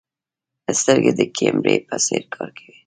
سترګې د کیمرې په څېر کار کوي.